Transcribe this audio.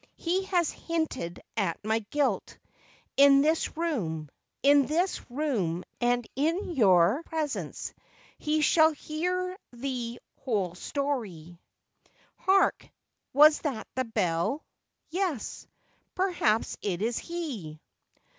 He has hinted at my guilt, in this room. In this room, and in your presence, he shall hear the whole storv. Hark ! was that the bell '? Yes. Perhaps it is he.'